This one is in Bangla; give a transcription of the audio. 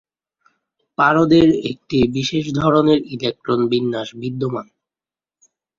পারদের একটি বিশেষ ধরনের ইলেকট্রন বিন্যাস বিদ্যমান।